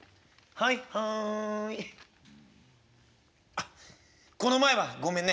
「あっこの前はごめんね」。